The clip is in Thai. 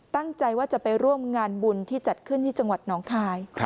ตั้งใจว่าจะไปร่วมงานบุญที่จัดขึ้นที่จังหวัดหนองคาย